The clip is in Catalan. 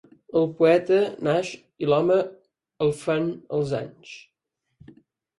El poeta naix i l'home el fan els anys.